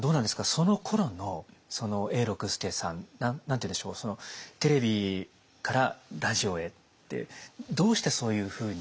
そのころの永六輔さん何て言うんでしょうテレビからラジオへってどうしてそういうふうに？